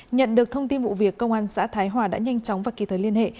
nhận được thông tin vụ việc công an xã thái hòa đã nhanh chóng và kịp thời liên hệ